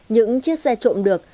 những chiếc xe trộm được